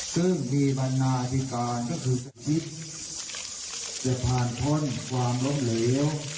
ซึ่งมีบรรณาธิการก็คือเป็นทิศจะผ่านพ้นความล้มเหลว